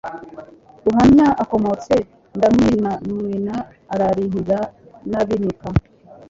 Ruhamya akomeretse ndamwinaMwina Abarihira n' Abinika